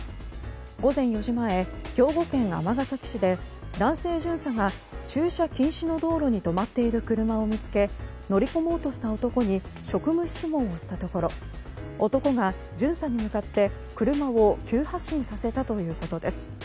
午前４時前、兵庫県尼崎市で男性巡査が駐車禁止の道路に止まっている車を見つけ乗り込もうとした男に職務質問をしたところ男が巡査に向かって車を急発進させたということです。